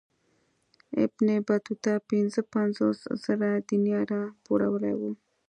ابن بطوطه پنځه پنځوس زره دیناره پوروړی وو.